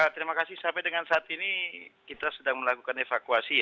terima kasih sampai dengan saat ini kita sedang melakukan evakuasi